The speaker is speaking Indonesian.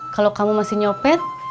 kalau kamu masih nyopet